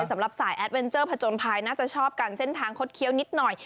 สำหรับสายแอดเวนเจอร์ผจญภัยน่าจะชอบกันเส้นทางคดเคี้ยวนิดหน่อย